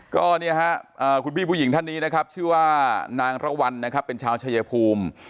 ก็ลูกพี่ผู้หญิงท่านนี้ชื่อนางรวรณเป็นชาวชยภูมิ